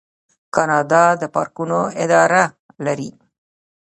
کاناډا د پارکونو اداره لري.